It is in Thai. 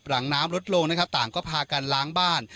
หลังน้ำลดลงนะครับต่างก็พากันล้างบ้าน